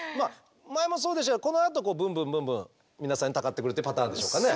前もそうでしたがこのあとブンブンブンブン皆さんにたかってくるってパターンでしょうかね？